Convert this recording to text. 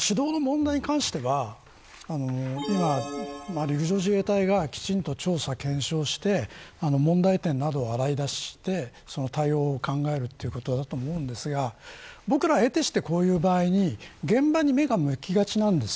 指導の問題に関しては陸上自衛隊がきちんと調査、検証して問題点などを洗い出して対応を考えるということだと思うんですが僕らは、得てしてこういう場合に現場に目が向きがちです。